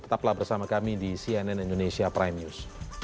tetaplah bersama kami di cnn indonesia prime news